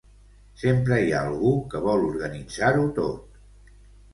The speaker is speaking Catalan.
Sempre hi ha algú que vol organitzar-ho tot.